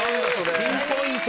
ピンポイント。